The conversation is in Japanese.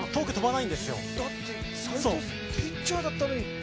斎藤さんピッチャーだったのに。